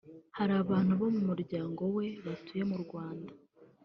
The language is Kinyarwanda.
hari abantu bo mu muryango we batuye mu Rwanda